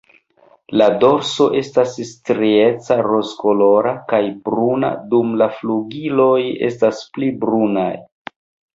La dorso estas strieca rozkolora kaj bruna, dum la flugiloj estas pli brunaj.